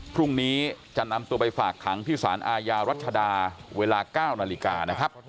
พรุ่งนี้จะนำตัวไปฝากขังที่สารอาญารัชดาเวลา๙นาฬิกานะครับ